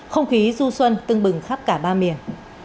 không khí du xuân tưng bừng khắp cả ba miền